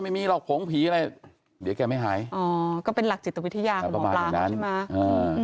ไม่มีหรอกผงผีอะไรเดี๋ยวแกไม่หายอ๋อก็เป็นหลักจิตวิทยาของหมอปลานะใช่ไหม